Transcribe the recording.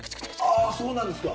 ああそうなんですか。